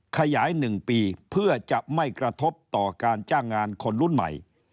ขยาย๑ปีเพื่อจะไม่กระทบต่อการจ้างงานคนรุ่นใหม่